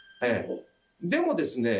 でもですね